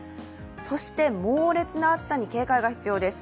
そして、猛烈な暑さに警戒が必要です。